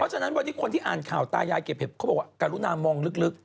เพราะฉะนั้นคนที่อ่านข่าวตายายเก็บเห็ดเขาบอกว่าการุนามองลึก